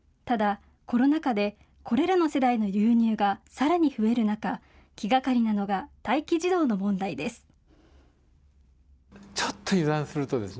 ただ、コロナ禍でこれらの世代の流入がさらに増える中、気がかりなのが待機児童の問題です。